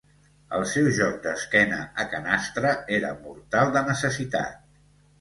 El seu joc d'esquena a canastra era mortal de necessitat.